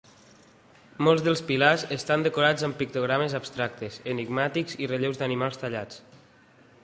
Molts dels pilars estan decorats amb pictogrames abstractes, enigmàtics i relleus d'animals tallats.